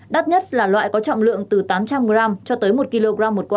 đắt nhất là loại có trọng lượng từ tám trăm linh g cho tới một kg